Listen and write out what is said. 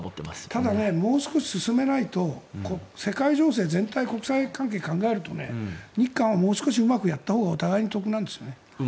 ただもう少し進めないと世界情勢全体国際関係を考えると日韓はもう少しうまくやったほうがお互いに得なんですね。